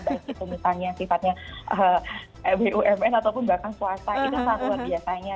bahkan misalnya sifatnya bumn ataupun bahkan puasa itu sangat luar biasanya